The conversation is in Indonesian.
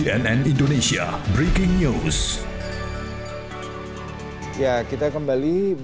jangan lupa like share dan subscribe channel ini